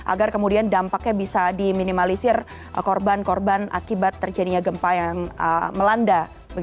agar kemudian dampaknya bisa diminimalisir korban korban akibat terjadinya gempa yang melanda